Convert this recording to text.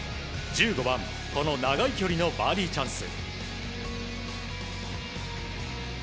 １５番、この長い距離のバーディーチャンス。